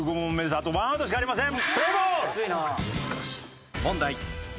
あと１アウトしかありません。